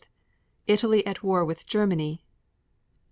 Italy at war with Germany.